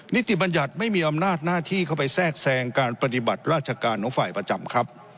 ติบัญญัติไม่มีอำนาจหน้าที่เข้าไปแทรกแทรงการปฏิบัติราชการของฝ่ายประจำครับ